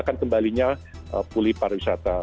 akan kembalinya pulih pariwisata